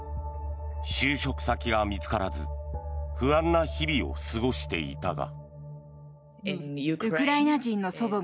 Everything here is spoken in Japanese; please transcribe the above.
就職先が見つからず不安な日々を過ごしていたが。